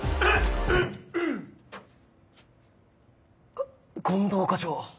あっ近藤課長。